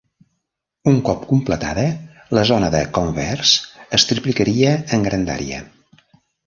Un cop completada, la zona de Converse es triplicaria en grandària.